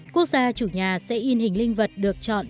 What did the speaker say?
quốc gia chủ nhà sẽ in hình linh vật được chọn